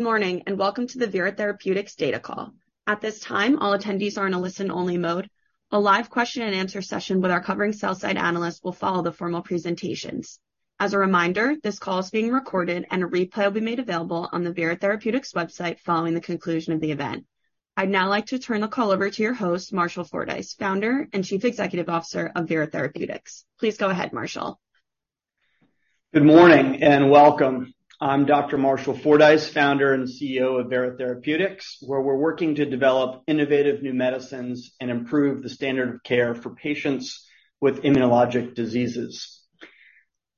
Good morning, and welcome to the Vera Therapeutics data call. At this time, all attendees are in a listen-only mode. A live question and answer session with our covering sell-side analysts will follow the formal presentations. As a reminder, this call is being recorded and a replay will be made available on the Vera Therapeutics website following the conclusion of the event. I'd now like to turn the call over to your host, Marshall Fordyce, founder and Chief Executive Officer of Vera Therapeutics. Please go ahead, Marshall. Good morning, welcome. I'm Dr. Marshall Fordyce, founder and CEO of Vera Therapeutics, where we're working to develop innovative new medicines and improve the standard of care for patients with immunologic diseases.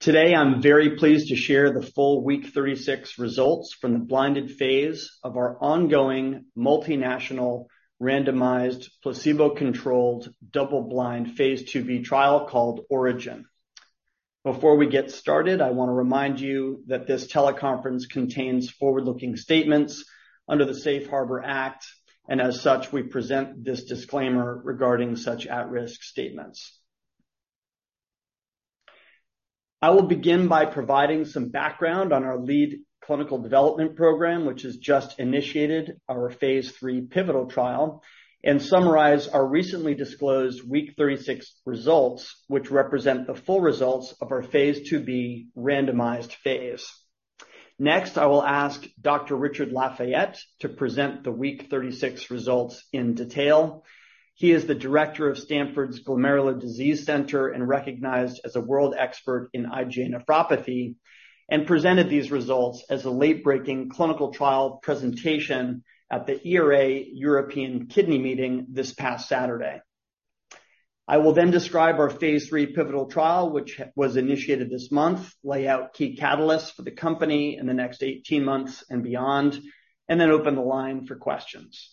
Today, I'm very pleased to share the full week 36 results from the blinded phase of our ongoing multinational, randomized, placebo-controlled, double-blind phase II-B trial called ORIGIN. Before we get started, I want to remind you that this teleconference contains forward-looking statements under the Safe Harbor Act, and as such, we present this disclaimer regarding such at-risk statements. I will begin by providing some background on our lead clinical development program, which has just initiated our phase III pivotal trial, and summarize our recently disclosed week 36 results, which represent the full results of our phase II-B randomized phase. Next, I will ask Dr. Richard Lafayette to present the week 36 results in detail. He is the director of Stanford's Glomerular Disease Center and recognized as a world expert in IgA nephropathy, presented these results as a late-breaking clinical trial presentation at the ERA European Renal Association (ERA) Congress this past Saturday. I will describe our phase III pivotal trial, which was initiated this month, lay out key catalysts for the company in the next 18 months and beyond, open the line for questions.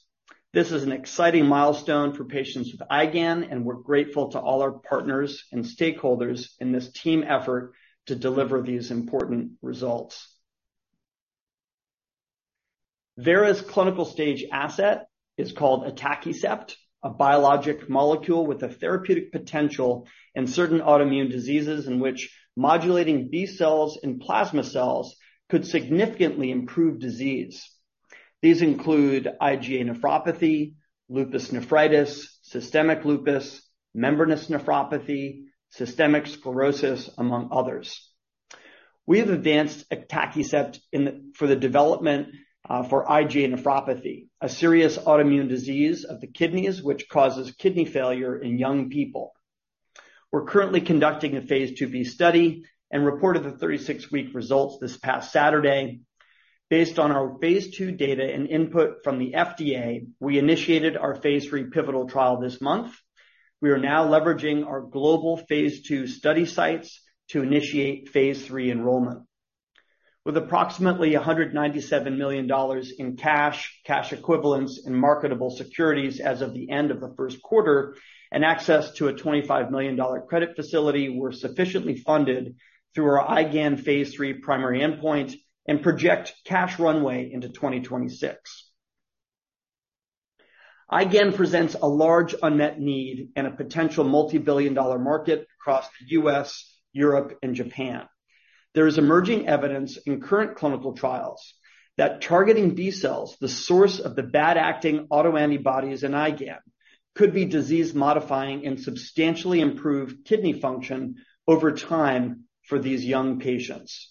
This is an exciting milestone for patients with IgAN, we're grateful to all our partners and stakeholders in this team effort to deliver these important results. Vera's clinical stage asset is called atacicept, a biologic molecule with a therapeutic potential in certain autoimmune diseases, in which modulating B cells and plasma cells could significantly improve disease. These include IgA nephropathy, lupus nephritis, systemic lupus, membranous nephropathy, systemic sclerosis, among others. We have advanced atacicept in the... For the development, for IgA nephropathy, a serious autoimmune disease of the kidneys, which causes kidney failure in young people. We're currently conducting a phase II-B study and reported the 36-week results this past Saturday. Based on our phase II data and input from the FDA, we initiated our phase III pivotal trial this month. We are now leveraging our global phase II study sites to initiate phase III enrollment. With approximately $197 million in cash equivalents, and marketable securities as of the end of the first quarter, and access to a $25 million credit facility, we're sufficiently funded through our IgAN phase III primary endpoint and project cash runway into 2026. IgAN presents a large unmet need and a potential multi-billion dollar market across the US, Europe, and Japan. There is emerging evidence in current clinical trials that targeting B cells, the source of the bad acting autoantibodies in IgAN, could be disease-modifying and substantially improve kidney function over time for these young patients.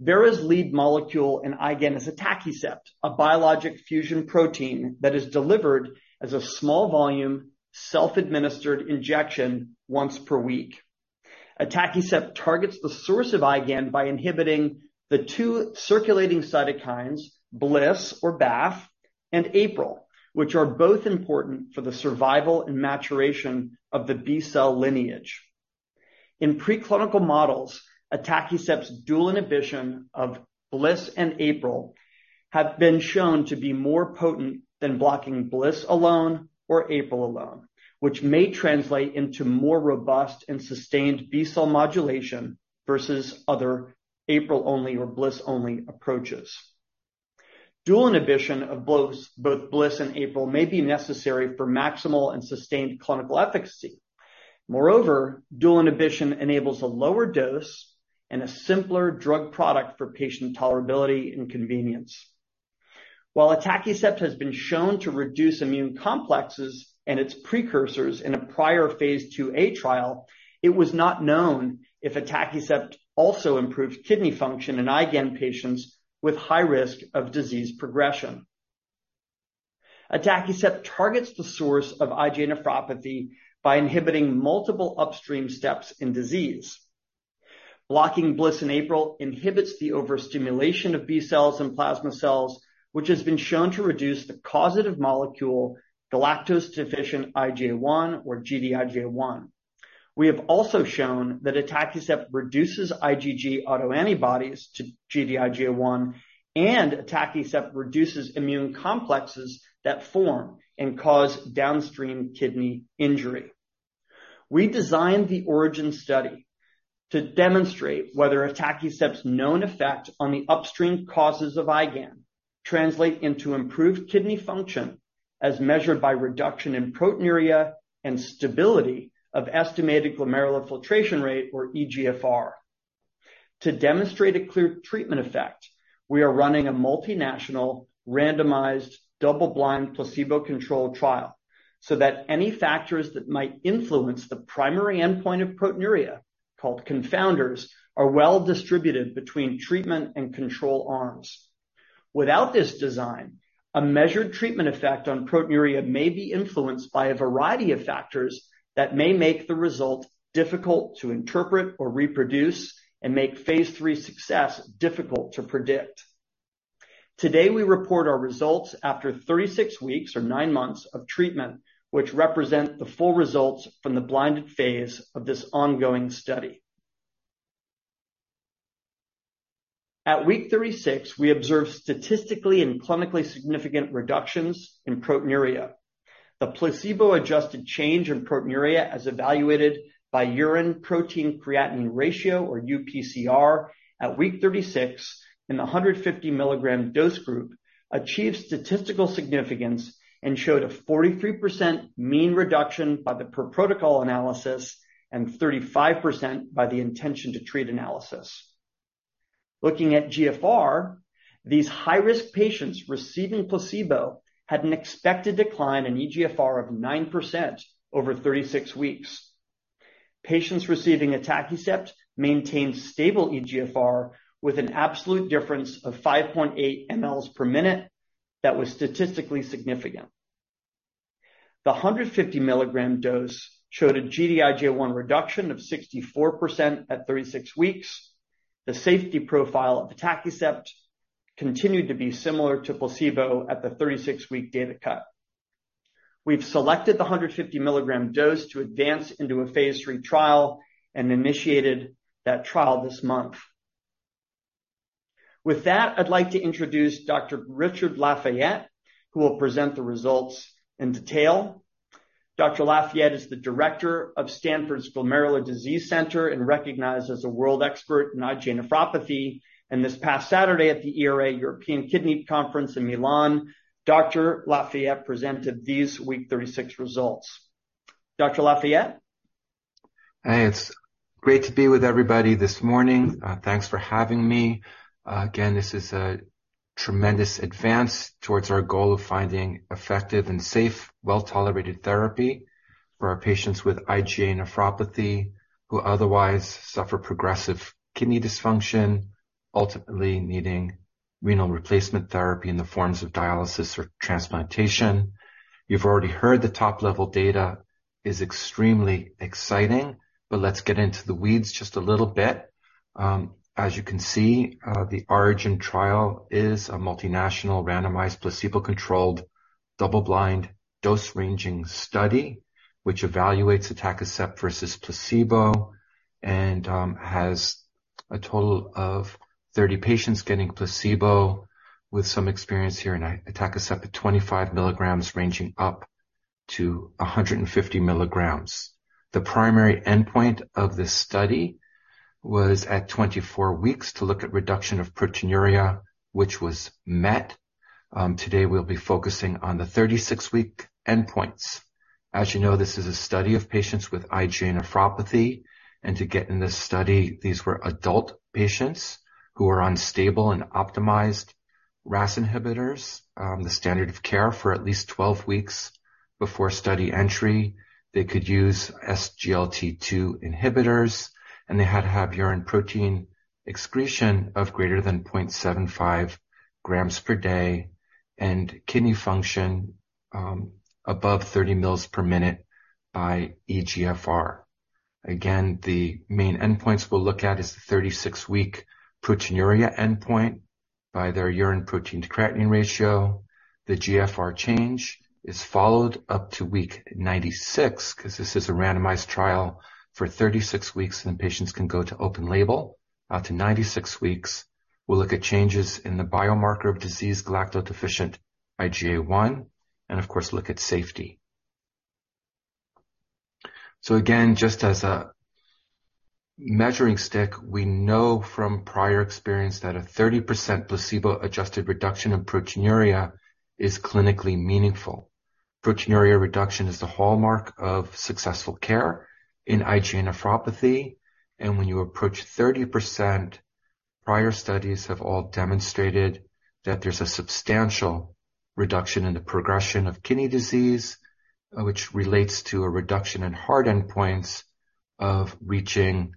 Vera's lead molecule in IgAN is atacicept, a biologic fusion protein that is delivered as a small volume, self-administered injection once per week. atacicept targets the source of IgAN by inhibiting the 2 circulating cytokines, BLyS or BAFF, and APRIL, which are both important for the survival and maturation of the B cell lineage. In preclinical models, atacicept's dual inhibition of BLyS and APRIL have been shown to be more potent than blocking BLyS alone orAPRIL alone, which may translate into more robust and sustained B cell modulation versus other APRIL-only or BLyS-only approaches. Dual inhibition of both BLyS and APRIL, may be necessary for maximal and sustained clinical efficacy. Moreover, dual inhibition enables a lower dose and a simpler drug product for patient tolerability and convenience. While atacicept has been shown to reduce immune complexes and its precursors in a prior phase II-A trial, it was not known if atacicept also improved kidney function in IgAN patients with high risk of disease progression. atacicept targets the source of IgA nephropathy by inhibiting multiple upstream steps in disease. Blocking BLyS in APRIL inhibits the overstimulation of B cells and plasma cells, which has been shown to reduce the causative molecule, galactose-deficient IgA1, or Gd-IgA1. We have also shown that atacicept reduces IgG autoantibodies to Gd-IgA1, atacicept reduces immune complexes that form and cause downstream kidney injury. We designed the ORIGIN study to demonstrate whether atacicept's known effect on the upstream causes of IgAN translate into improved kidney function as measured by reduction in proteinuria and stability of estimated glomerular filtration rate, or eGFR. To demonstrate a clear treatment effect, we are running a multinational, randomized, double-blind, placebo-controlled trial, so that any factors that might influence the primary endpoint of proteinuria, called confounders, are well distributed between treatment and control arms. Without this design, a measured treatment effect on proteinuria may be influenced by a variety of factors that may make the result difficult to interpret or reproduce and make phase III success difficult to predict. Today, we report our results after 36 weeks or 9 months of treatment, which represent the full results from the blinded phase of this ongoing study. At week 36, we observed statistically and clinically significant reductions in proteinuria. The placebo-adjusted change in proteinuria, as evaluated by urine protein-creatinine ratio, or UPCR, at week 36 in the 150 milligram dose group, achieved statistical significance and showed a 43% mean reduction by the per protocol analysis and 35% by the intention to treat analysis. Looking at GFR, these high-risk patients receiving placebo had an expected decline in eGFR of 9% over 36 weeks. Patients receiving atacicept maintained stable eGFR with an absolute difference of 5.8 mLs per minute that was statistically significant. The 150 milligram dose showed a Gd-IgA1 reduction of 64% at 36 weeks. The safety profile of atacicept continued to be similar to placebo at the 36 week data cut. We've selected the 150 milligram dose to advance into a phase III trial and initiated that trial this month. With that, I'd like to introduce Dr. Richard Lafayette, who will present the results in detail. Dr. Lafayette is the director of Stanford's Glomerular Disease Center and recognized as a world expert in IgA nephropathy. This past Saturday at the ERA European Kidney Conference in Milan, Dr. Lafayette presented these week 36 results. Dr. Lafayette? Hey, it's great to be with everybody this morning. Thanks for having me. Again, this is a tremendous advance towards our goal of finding effective and safe, well-tolerated therapy for our patients with IgA nephropathy, who otherwise suffer progressive kidney dysfunction, ultimately needing renal replacement therapy in the forms of dialysis or transplantation. You've already heard the top-level data is extremely exciting. Let's get into the weeds just a little bit. As you can see, the ORIGIN trial is a multinational, randomized, placebo-controlled, double-blind, dose-ranging study, which evaluates atacicept versus placebo and has a total of 30 patients getting placebo with some experience here in atacicept at 25 milligrams, ranging up to 150 milligrams. The primary endpoint of this study was at 24 weeks to look at reduction of proteinuria, which was met. Today, we'll be focusing on the 36-week endpoints. As you know, this is a study of patients with IgA nephropathy, and to get in this study, these were adult patients who were unstable and optimized RAS inhibitors, the standard of care for at least 12 weeks before study entry. They could use SGLT2 inhibitors, and they had to have urine protein excretion of greater than 0.75 grams per day, and kidney function, above 30 mils per minute by eGFR. Again, the main endpoints we'll look at is the 36-week proteinuria endpoint by their urine protein-to-creatinine ratio. The GFR change is followed up to week 96, 'cause this is a randomized trial for 36 weeks, then patients can go to open label. Out to 96 weeks, we'll look at changes in the biomarker of disease galactose-deficient IgA1, and of course, look at safety. Again, just as a measuring stick, we know from prior experience that a 30% placebo-adjusted reduction in proteinuria is clinically meaningful. Proteinuria reduction is the hallmark of successful care in IgA nephropathy, and when you approach 30%, prior studies have all demonstrated that there's a substantial reduction in the progression of kidney disease, which relates to a reduction in hard endpoints of reaching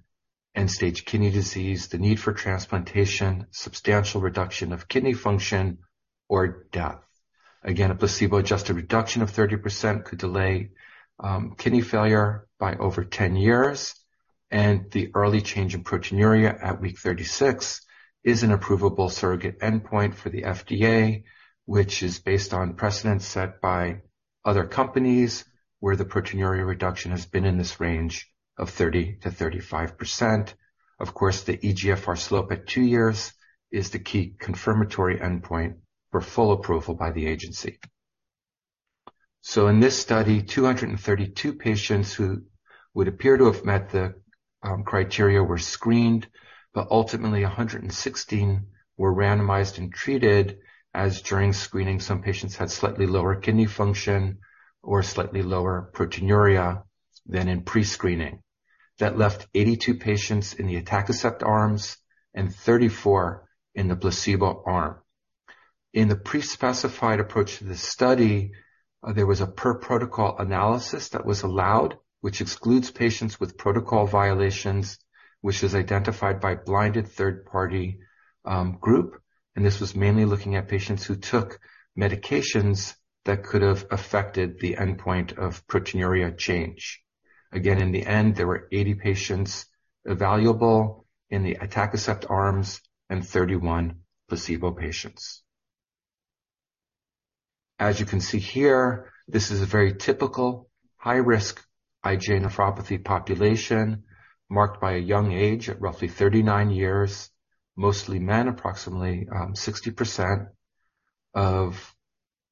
end-stage kidney disease, the need for transplantation, substantial reduction of kidney function, or death. Again, a placebo-adjusted reduction of 30% could delay kidney failure by over 10 years, and the early change in proteinuria at week 36 is an approvable surrogate endpoint for the FDA, which is based on precedents set by other companies, where the proteinuria reduction has been in this range of 30%-35%. Of course, the eGFR slope at 2 years is the key confirmatory endpoint for full approval by the agency. In this study, 232 patients who would appear to have met the criteria were screened, but ultimately 116 were randomized and treated, as during screening some patients had slightly lower kidney function or slightly lower proteinuria than in pre-screening. That left 82 patients in the atacicept arms and 34 in the placebo arm. In the pre-specified approach to the study, there was a per-protocol analysis that was allowed, which excludes patients with protocol violations, which was identified by blinded third-party group, and this was mainly looking at patients who took medications that could have affected the endpoint of proteinuria change. Again, in the end, there were 80 patients evaluable in the atacicept arms and 31 placebo patients. As you can see here, this is a very typical high-risk IgA nephropathy population, marked by a young age at roughly 39 years, mostly men, approximately 60% of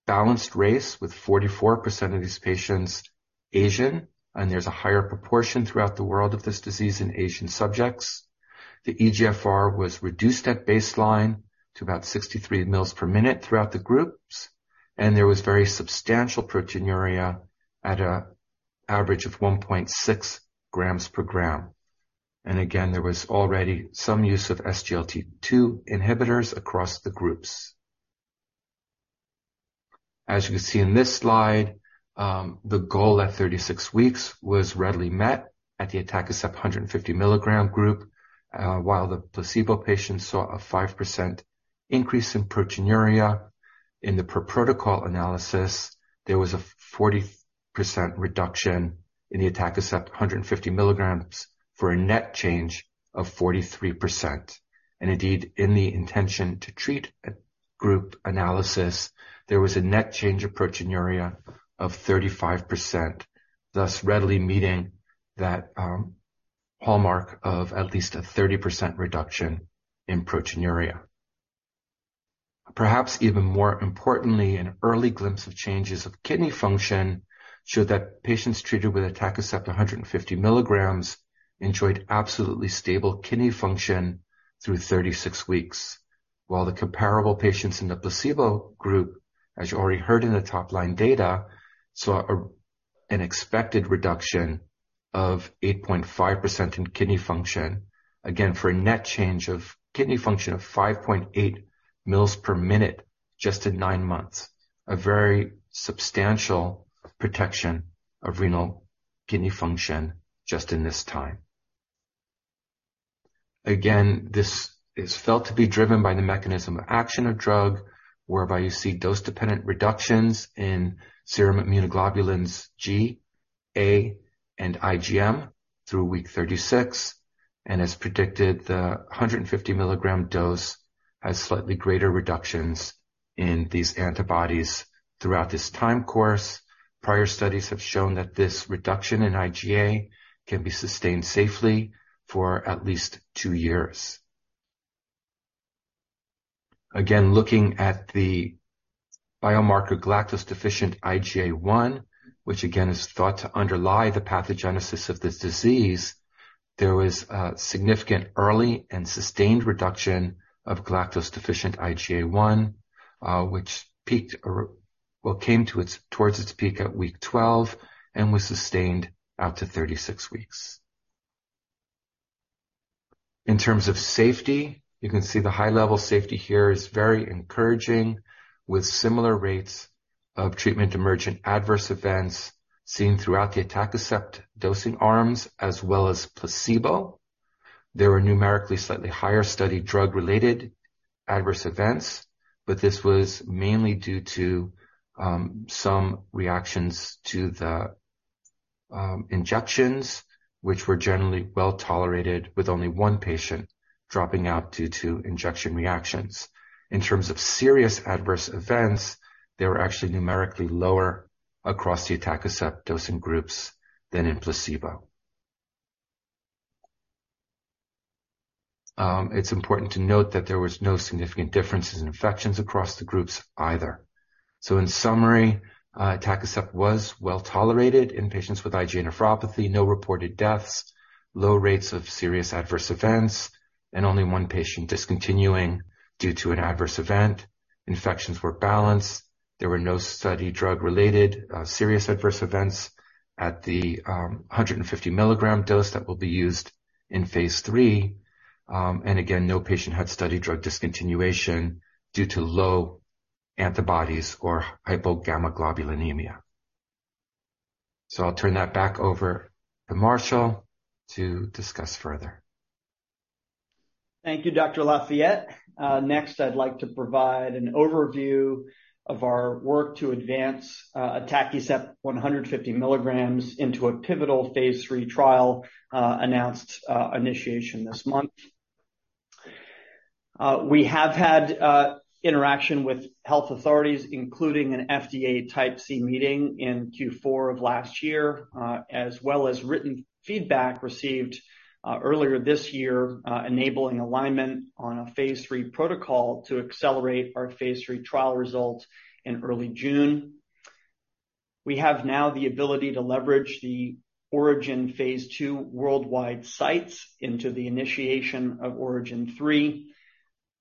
balanced race, with 44% of these patients Asian. There's a higher proportion throughout the world of this disease in Asian subjects. The eGFR was reduced at baseline to about 63 mils per minute throughout the groups. There was very substantial proteinuria at a average of 1.6 grams per gram. Again, there was already some use of SGLT2 inhibitors across the groups. As you can see in this slide, the goal at 36 weeks was readily met at the atacicept 150 milligram group, while the placebo patients saw a 5% increase in proteinuria. In the per-protocol analysis, there was a 40% reduction in the atacicept 150 milligrams for a net change of 43%. Indeed, in the intention to treat a group analysis, there was a net change of proteinuria of 35%, thus readily meeting that hallmark of at least a 30% reduction in proteinuria. Perhaps even more importantly, an early glimpse of changes of kidney function showed that patients treated with atacicept 150 milligrams enjoyed absolutely stable kidney function through 36 weeks, while the comparable patients in the placebo group, as you already heard in the top-line data, saw an expected reduction of 8.5% in kidney function. Again, for a net change of kidney function of 5.8 mils per minute, just in 9 months, a very substantial protection of renal kidney function just in this time. This is felt to be driven by the mechanism of action of drug, whereby you see dose-dependent reductions in serum immunoglobulins IgG, IgA, and IgM through week 36, and as predicted, the 150 mg dose has slightly greater reductions in these antibodies throughout this time course. Prior studies have shown that this reduction in IgA can be sustained safely for at least 2 years. Looking at the biomarker galactose-deficient IgA1, which again is thought to underlie the pathogenesis of this disease, there was a significant early and sustained reduction of galactose-deficient IgA1, which came towards its peak at week 12 and was sustained out to 36 weeks. In terms of safety, you can see the high-level safety here is very encouraging, with similar rates of treatment-emergent adverse events seen throughout the atacicept dosing arms as well as placebo. There were numerically slightly higher study drug-related adverse events, this was mainly due to some reactions to the injections, which were generally well-tolerated, with only one patient dropping out due to injection reactions. In terms of serious adverse events, they were actually numerically lower across the atacicept dosing groups than in placebo. It's important to note that there was no significant differences in infections across the groups either. In summary, atacicept was well-tolerated in patients with IgA nephropathy, no reported deaths, low rates of serious adverse events, and only one patient discontinuing due to an adverse event. Infections were balanced. There were no study drug-related serious adverse events at the 150 milligram dose that will be used in phase III. Again, no patient had study drug discontinuation due to low antibodies or hypogammaglobulinemia. I'll turn that back over to Marshall to discuss further. Thank you, Dr. Lafayette. Next, I'd like to provide an overview of our work to advance atacicept 150 milligrams into a pivotal phase III trial, announced initiation this month. We have had interaction with health authorities, including an FDA Type C meeting in Q4 of last year, as well as written feedback received earlier this year, enabling alignment on a phase III protocol to accelerate our phase III trial results in early June. We have now the ability to leverage the ORIGIN phase II worldwide sites into the initiation of ORIGIN 3,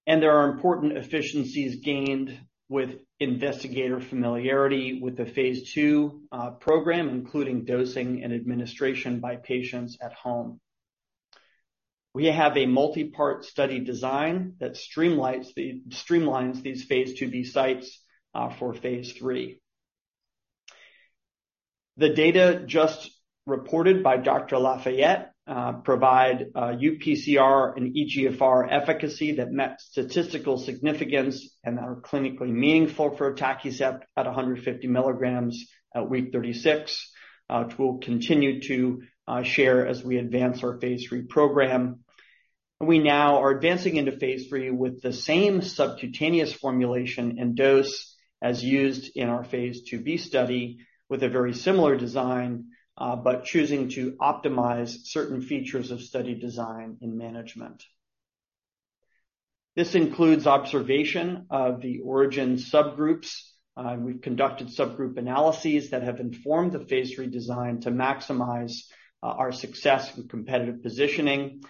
and there are important efficiencies gained with investigator familiarity with the phase II program, including dosing and administration by patients at home. We have a multi-part study design that streamlines these phase II-B sites for phase III. The data just reported by Dr. Lafayette provide UPCR and eGFR efficacy that met statistical significance and are clinically meaningful for atacicept at 150 milligrams at week 36, which we'll continue to share as we advance our phase III program. We now are advancing into phase III with the same subcutaneous formulation and dose as used in our phase II-B study, with a very similar design, but choosing to optimize certain features of study design and management. This includes observation of the ORIGIN subgroups. We've conducted subgroup analyses that have informed the phase III design to maximize our success with competitive positioning.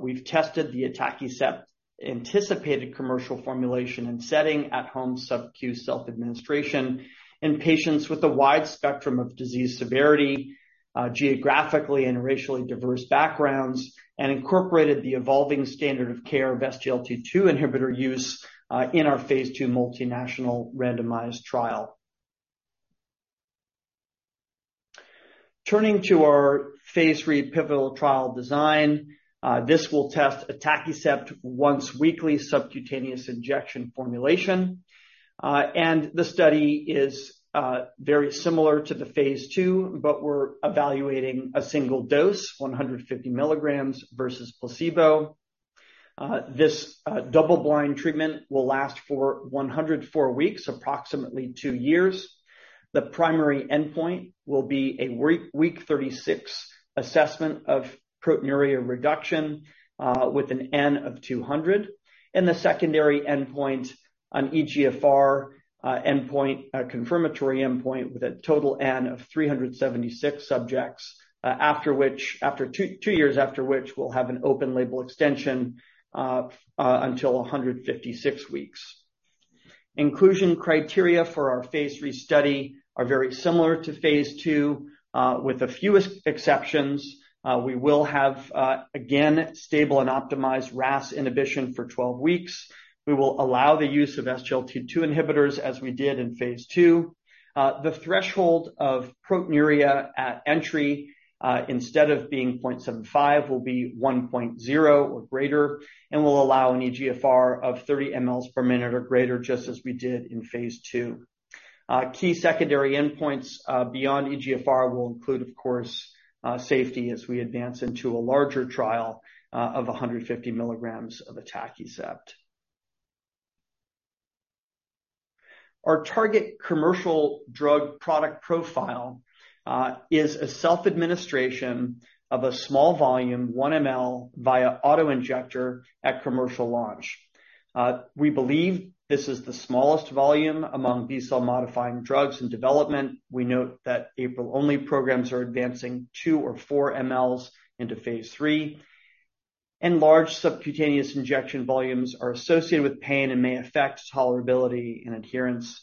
We've tested the atacicept anticipated commercial formulation and setting at home sub-Q self-administration in patients with a wide spectrum of disease severity, geographically and racially diverse backgrounds, and incorporated the evolving standard of care of SGLT2 inhibitor use in our phase II multinational randomized trial. Turning to our phase III pivotal trial design, this will test atacicept once-weekly subcutaneous injection formulation. The study is very similar to the phase II, but we're evaluating a single dose, 150 milligrams versus placebo. This double-blind treatment will last for 104 weeks, approximately 2 years. The primary endpoint will be a week 36 assessment of proteinuria reduction, with an N of 200, and the secondary endpoint, an eGFR endpoint, a confirmatory endpoint, with a total N of 376 subjects. After 2 years, after which we'll have an open label extension until 156 weeks. Inclusion criteria for our phase III study are very similar to phase II, with a few exceptions. We will have again stable and optimized RAS inhibition for 12 weeks. We will allow the use of SGLT2 inhibitors, as we did in phase II. The threshold of proteinuria at entry instead of being 0.75, will be 1.0 or greater, and we'll allow an eGFR of 30 mLs per minute or greater, just as we did in phase II. Key secondary endpoints beyond eGFR will include, of course, safety, as we advance into a larger trial of 150 milligrams of atacicept. Our target commercial drug product profile is a self-administration of a small volume, 1 mL, via auto-injector at commercial launch. We believe this is the smallest volume among B-cell modifying drugs in development. We note that APRIL-only programs are advancing 2 or 4 mLs into phase III, and large subcutaneous injection volumes are associated with pain and may affect tolerability and adherence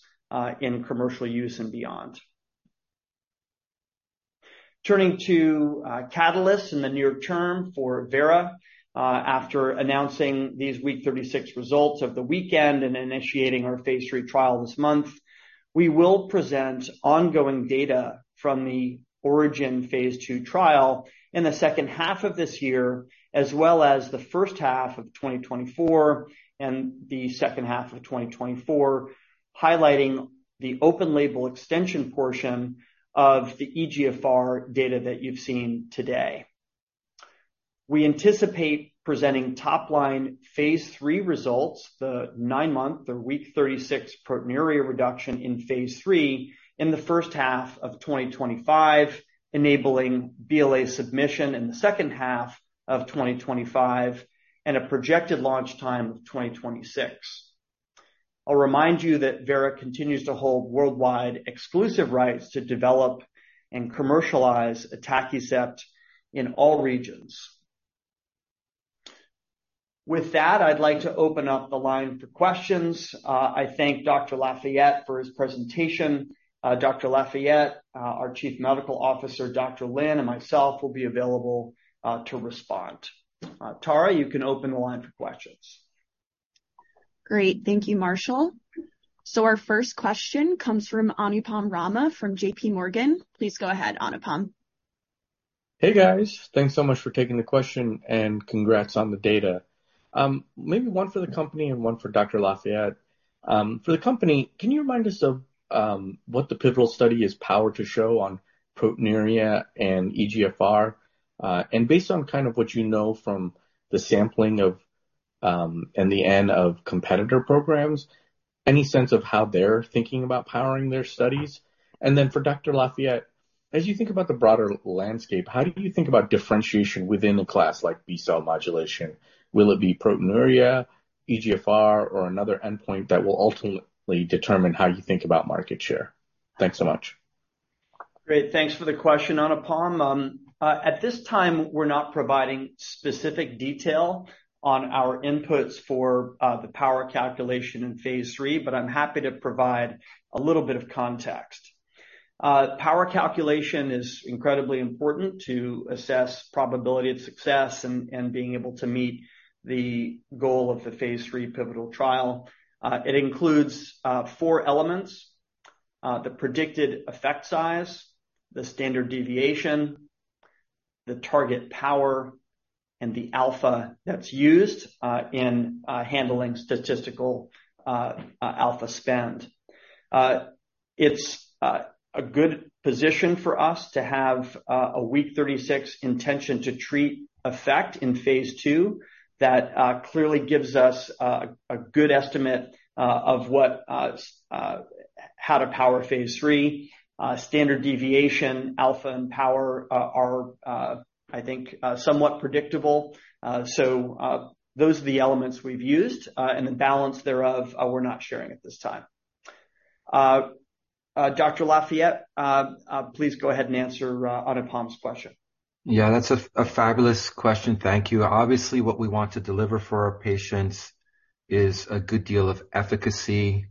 in commercial use and beyond. Turning to catalysts in the near term for Vera. After announcing these week 36 results of the weekend and initiating our phase III trial this month, we will present ongoing data from the ORIGIN phase II trial in the second half of this year, as well as the first half of 2024 and the second half of 2024, highlighting the open label extension portion of the eGFR data that you've seen today. We anticipate presenting top-line phase III results, the 9-month, the week 36 proteinuria reduction in phase III in the first half of 2025, enabling BLA submission in the second half of 2025, and a projected launch time of 2026. I'll remind you that Vera continues to hold worldwide exclusive rights to develop and commercialize atacicept in all regions. I'd like to open up the line for questions. I thank Dr. Lafayette for his presentation. Dr. Lafayette, our Chief Medical Officer, Dr. Lin, and myself will be available to respond. Tara, you can open the line for questions. Great. Thank you, Marshall. Our first question comes from Anupam Sharma, from JPMorgan. Please go ahead, Anupam. Hey, guys. Thanks so much for taking the question, and congrats on the data. Maybe one for the company and one for Dr. Lafayette. For the company, can you remind us of what the pivotal study is powered to show on proteinuria and eGFR? Based on kind of what you know from the sampling of and the N of competitor programs, any sense of how they're thinking about powering their studies? For Dr. Lafayette, as you think about the broader landscape, how do you think about differentiation within a class like B-cell modulation? Will it be proteinuria, eGFR, or another endpoint that will ultimately determine how you think about market share? Thanks so much. Great, thanks for the question, Anupam. At this time, we're not providing specific detail on our inputs for the power calculation in phase III, but I'm happy to provide a little bit of context. Power calculation is incredibly important to assess probability of success and being able to meet the goal of the phase III pivotal trial. It includes 4 elements: the predicted effect size, the standard deviation, the target power, and the alpha that's used in handling statistical alpha spend. It's a good position for us to have a week 36 intention to treat effect in phase II. That clearly gives us a good estimate of what how to power phase III. Standard deviation, alpha, and power are, I think, somewhat predictable. Those are the elements we've used, and the balance thereof, we're not sharing at this time. Dr. Lafayette, please go ahead and answer Anupam's question. Yeah, that's a fabulous question. Thank you. Obviously, what we want to deliver for our patients is a good deal of efficacy,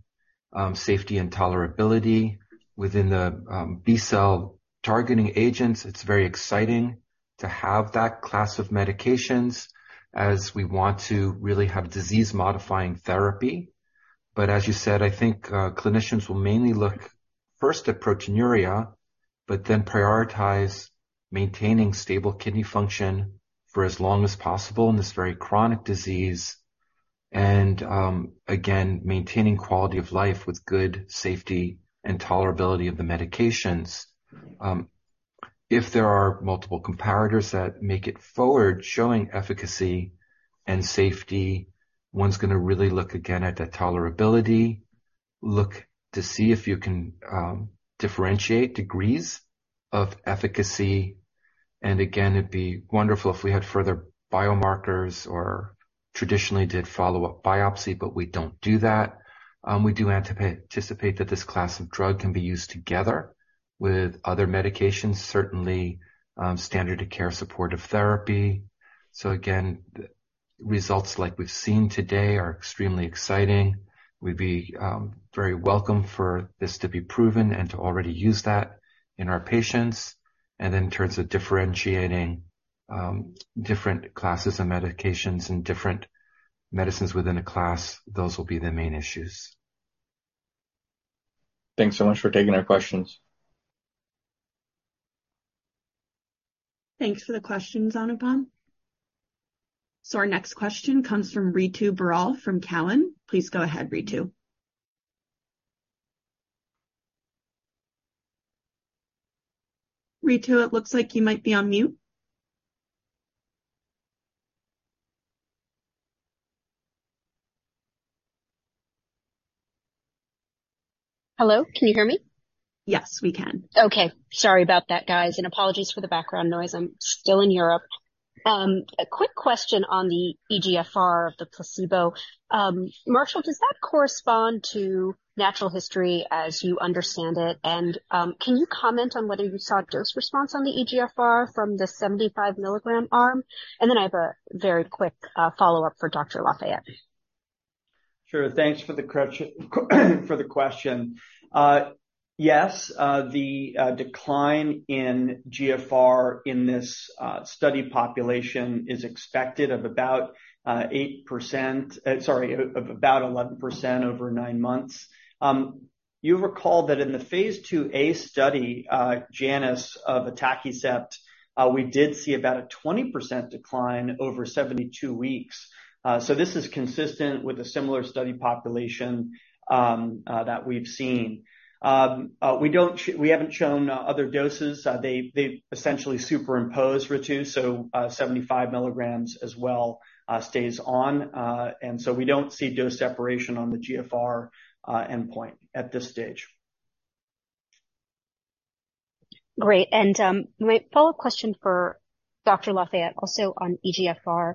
safety, and tolerability within the B-cell targeting agents. It's very exciting to have that class of medications as we want to really have disease-modifying therapy. As you said, I think clinicians will mainly look first at proteinuria, then prioritize maintaining stable kidney function for as long as possible in this very chronic disease, and again, maintaining quality of life with good safety and tolerability of the medications. If there are multiple comparators that make it forward, showing efficacy and safety, one's gonna really look again at that tolerability, look to see if you can differentiate degrees of efficacy. Again, it'd be wonderful if we had further biomarkers or traditionally did follow-up biopsy, but we don't do that. We do anticipate that this class of drug can be used together with other medications, certainly, standard of care supportive therapy. Again, results like we've seen today are extremely exciting. We'd be very welcome for this to be proven and to already use that in our patients. In terms of differentiating different classes of medications and different medicines within a class, those will be the main issues. Thanks so much for taking our questions. Thanks for the questions, Anupam. Our next question comes from Ritu Baral from Cowen. Please go ahead, Ritu. Ritu, it looks like you might be on mute. Hello, can you hear me? Yes, we can. Okay. Sorry about that, guys, and apologies for the background noise. I'm still in Europe. A quick question on the eGFR of the placebo. Marshall, does that correspond to natural history as you understand it? Can you comment on whether you saw dose response on the eGFR from the 75 mg arm? I have a very quick follow-up for Dr. Lafayette. Sure. Thanks for the question. Yes, the decline in GFR in this study population is expected of about 8%, sorry, of about 11% over 9 months. You recall that in the phase II-A study, JANUS, of the atacicept, we did see about a 20% decline over 72 weeks. This is consistent with a similar study population that we've seen. We haven't shown other doses. They essentially superimpose, Ritu, so 75 milligrams as well stays on, and so we don't see dose separation on the GFR endpoint at this stage. Great. My follow-up question for Dr. Lafayette, also on eGFR.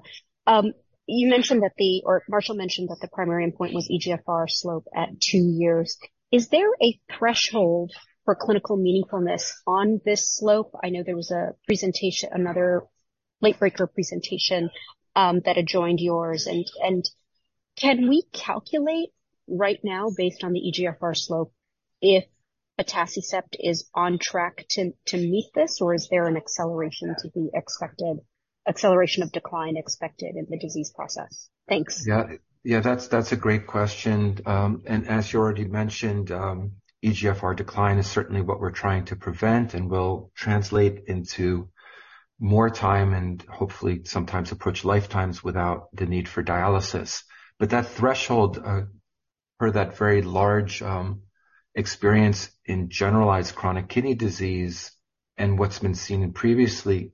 You mentioned that Marshall mentioned that the primary endpoint was eGFR slope at 2 years. Is there a threshold for clinical meaningfulness on this slope? I know there was a presentation, another late-breaker presentation that adjoined yours. Can we calculate right now, based on the eGFR slope, if atacicept is on track to meet this, or is there an acceleration of decline expected in the disease process? Thanks. Yeah, that's a great question. As you already mentioned, eGFR decline is certainly what we're trying to prevent and will translate into more time and hopefully sometimes approach lifetimes without the need for dialysis. That threshold for that very large experience in generalized chronic kidney disease and what's been seen in previously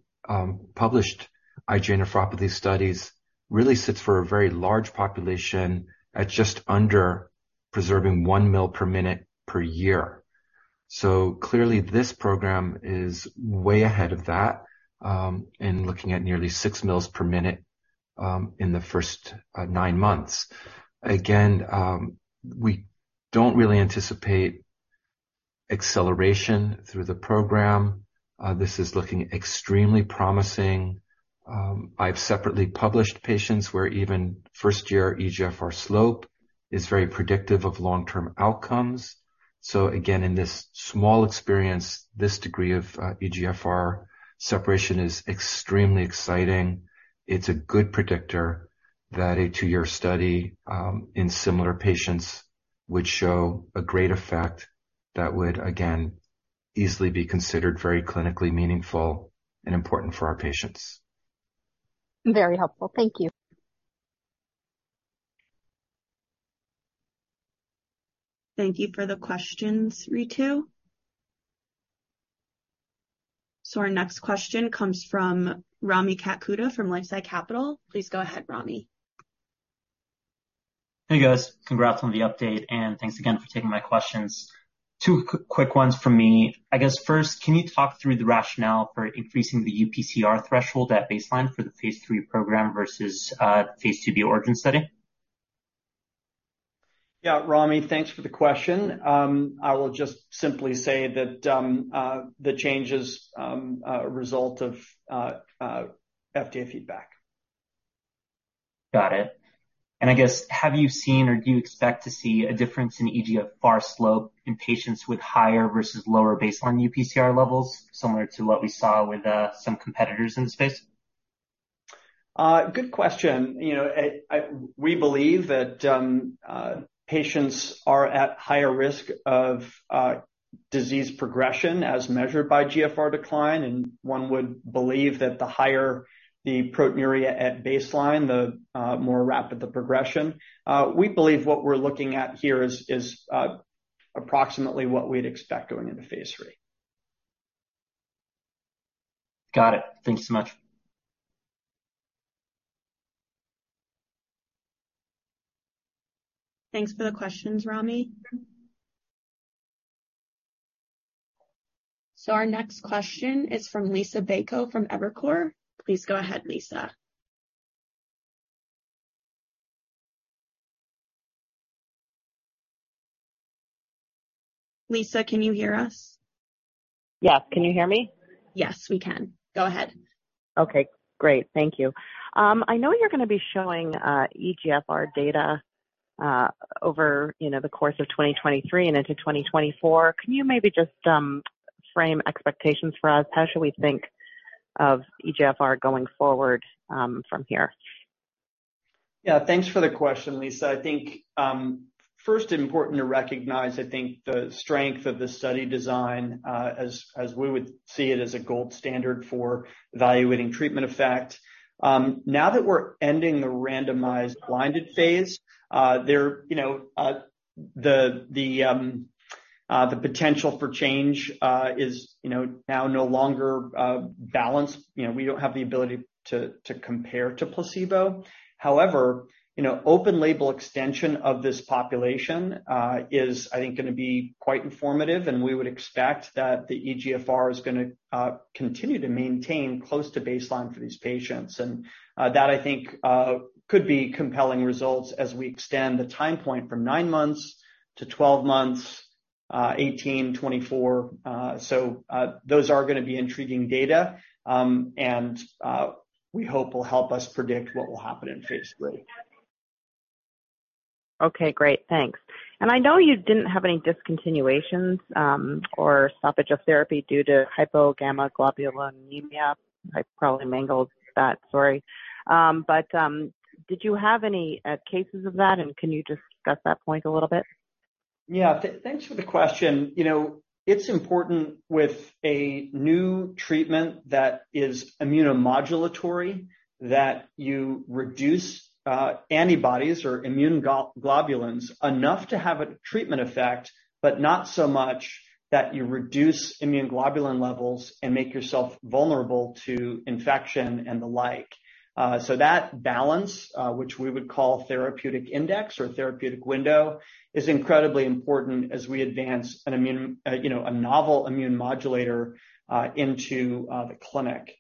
published IgA nephropathy studies, really sits for a very large population at just preserving 1 mil per minute per year. Clearly, this program is way ahead of that and looking at nearly 6 mils per minute in the first 9 months. Again, we don't really anticipate acceleration through the program. This is looking extremely promising. I've separately published patients where even first-year eGFR slope is very predictive of long-term outcomes. Again, in this small experience, this degree of eGFR separation is extremely exciting. It's a good predictor that a two-year study in similar patients would show a great effect that would, again, easily be considered very clinically meaningful and important for our patients. Very helpful. Thank you. Thank you for the questions, Ritu. Our next question comes from Rami Katkhuda from LifeSci Capital. Please go ahead, Rami. Hey, guys. Congrats on the update, thanks again for taking my questions. Two quick ones from me. I guess first, can you talk through the rationale for increasing the UPCR threshold at baseline for the phase II program versus phase II-B ORIGIN study? Yeah, Rami, thanks for the question. I will just simply say that the changes are a result of FDA feedback. Got it. I guess, have you seen, or do you expect to see a difference in eGFR slope in patients with higher versus lower baseline UPCR levels, similar to what we saw with some competitors in the space? Good question. You know, we believe that patients are at higher risk of disease progression as measured by GFR decline, and one would believe that the higher the proteinuria at baseline, the more rapid the progression. We believe what we're looking at here is approximately what we'd expect going into phase III. Got it. Thank you so much. Thanks for the questions, Rami. Our next question is from Liisa Bayko, from Evercore. Please go ahead, Liisa. Liisa, can you hear us? Yes. Can you hear me? Yes, we can. Go ahead. Okay, great. Thank you. I know you're gonna be showing eGFR data, over the course of 2023 and into 2024. Can you maybe just frame expectations for us? How should we think of eGFR going forward from here? Yeah, thanks for the question, Liisa. I think, first, important to recognize, I think, the strength of the study design, as we would see it as a gold standard for evaluating treatment effect. Now that we're ending the randomized blinded phase, there, you know, the potential for change is, you know, now no longer balanced. You know, we don't have the ability to compare to placebo. However, you know, open label extension of this population is, I think, gonna be quite informative, and we would expect that the eGFR is gonna continue to maintain close to baseline for these patients. That, I think, could be compelling results as we extend the time point from 9 months to 12 months, 18, 24. Those are gonna be intriguing data, and we hope will help us predict what will happen in phase III. Okay, great. Thanks. I know you didn't have any discontinuations, or stoppage of therapy due to hypogammaglobulinemia. I probably mangled that, sorry. Did you have any cases of that, and can you discuss that point a little bit? Yeah, thanks for the question. You know, it's important with a new treatment that is immunomodulatory, that you reduce antibodies or immune globulins enough to have a treatment effect, but not so much that you reduce immunoglobulin levels and make yourself vulnerable to infection and the like. That balance, which we would call therapeutic index or therapeutic window, is incredibly important as we advance a novel immune modulator into the clinic.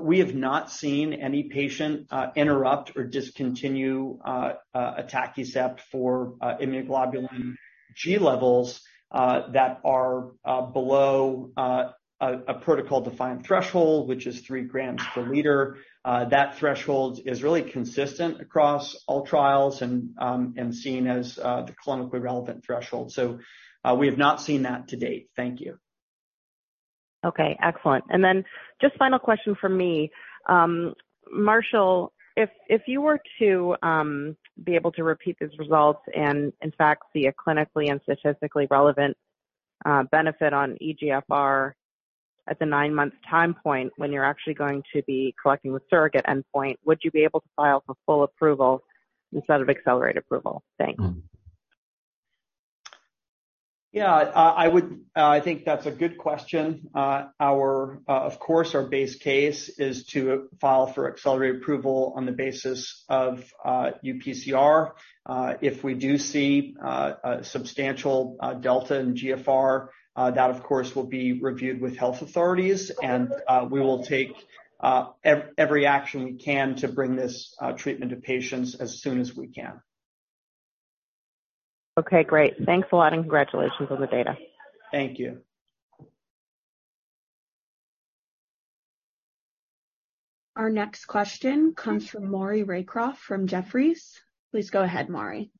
We have not seen any patient interrupt or discontinue atacicept for immunoglobulin G levels that are below a protocol-defined threshold, which is 3 grams per liter. That threshold is really consistent across all trials and seen as the clinically relevant threshold. We have not seen that to date. Thank you. Okay, excellent. Then just final question from me. Marshall, if you were to be able to repeat these results and in fact, see a clinically and statistically relevant benefit on eGFR at the nine-month time point, when you're actually going to be collecting the surrogate endpoint, would you be able to file for full approval instead of accelerated approval? Thanks. Yeah, I would, I think that's a good question. Our, of course, our base case is to file for accelerated approval on the basis of UPCR. If we do see a substantial delta in GFR, that, of course, will be reviewed with health authorities, and we will take every action we can to bring this treatment to patients as soon as we can. Okay, great. Thanks a lot, and congratulations on the data. Thank you. Our next question comes from Maury Raycroft from Jefferies. Please go ahead, Maury.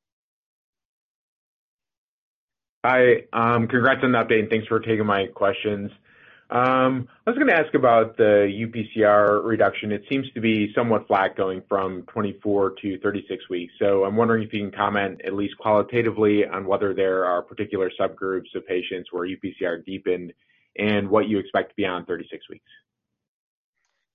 Hi, congrats on the update, and thanks for taking my questions. I was gonna ask about the UPCR reduction. It seems to be somewhat flat going from 24 to 36 weeks. I'm wondering if you can comment, at least qualitatively, on whether there are particular subgroups of patients where UPCR deepened and what you expect to be on 36 weeks?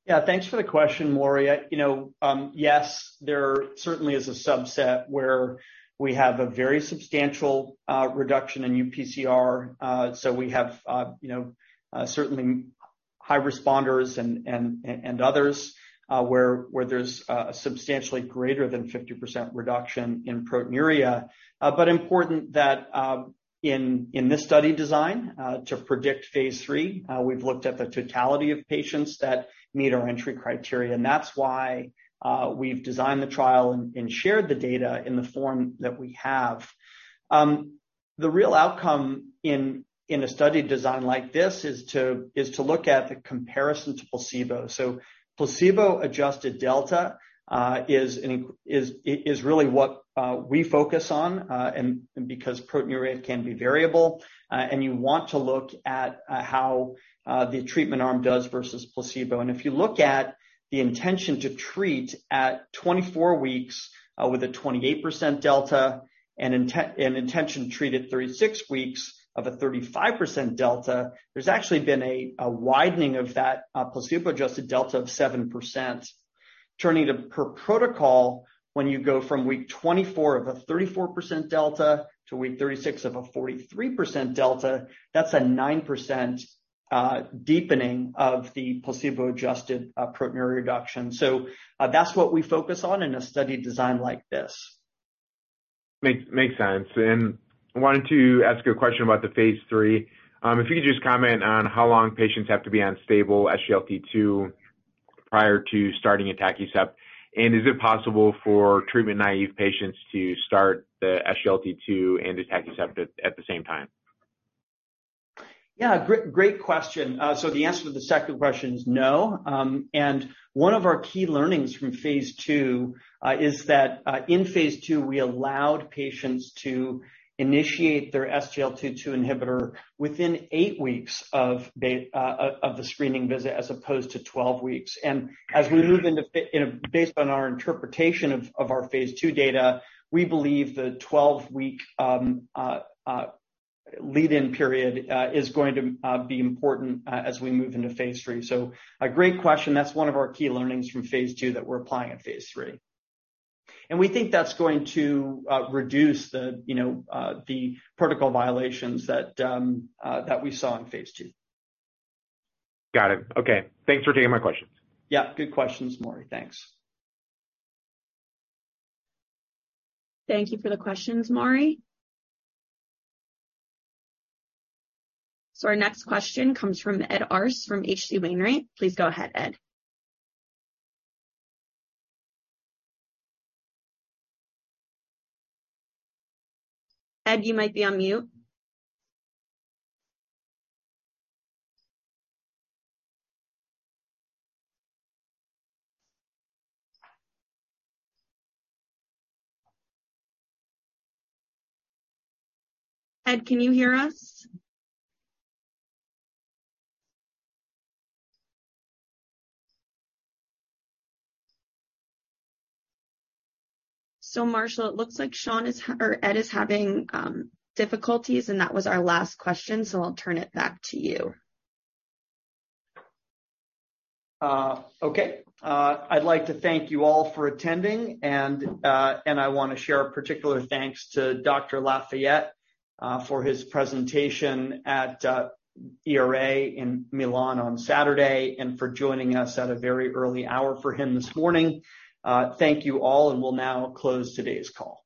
Yeah, thanks for the question, Maury. You know, yes, there certainly is a subset where we have a very substantial reduction in UPCR. We have, you know, certainly high responders and others where there's a substantially greater than 50% reduction in proteinuria. Important that in this study design to predict phase III, we've looked at the totality of patients that meet our entry criteria, and that's why we've designed the trial and shared the data in the form that we have. The real outcome in a study design like this is to look at the comparison to placebo. Placebo-adjusted delta is really what we focus on, and because proteinuria can be variable, and you want to look at how the treatment arm does versus placebo. If you look at the intention to treat at 24 weeks, with a 28% delta, and intention treated 36 weeks of a 35% delta, there's actually been a widening of that placebo-adjusted delta of 7%. Turning to per protocol, when you go from week 24 of a 34% delta to week 36 of a 43% delta, that's a 9% deepening of the placebo-adjusted proteinuria reduction. That's what we focus on in a study design like this. Makes sense. I wanted to ask you a question about the phase III. If you could just comment on how long patients have to be on stable SGLT2 prior to starting atacicept, and is it possible for treatment-naive patients to start the SGLT2 and atacicept at the same time? Great, great question. The answer to the second question is no. One of our key learnings from phase II is that in phase II, we allowed patients to initiate their SGLT2 inhibitor within 8 weeks of the screening visit, as opposed to 12 weeks. Based on our interpretation of our phase II data, we believe the 12-week lead-in period is going to be important as we move into phase III. A great question. That's one of our key learnings from phase II that we're applying in phase III. We think that's going to reduce the, you know, protocol violations that we saw in phase 2. Got it. Thanks for taking my questions. Yeah, good questions, Maury. Thanks. Thank you for the questions, Maury. Our next question comes from Ed Arce, from H.C. Wainwright & Co. Please go ahead, Ed. Ed, you might be on mute. Ed, can you hear us? Marshall, it looks like Sean or Ed is having difficulties, and that was our last question, so I'll turn it back to you. Okay. I'd like to thank you all for attending, and I want to share a particular thanks to Dr. Lafayette for his presentation at ERA in Milan on Saturday and for joining us at a very early hour for him this morning. Thank you all, we'll now close today's call.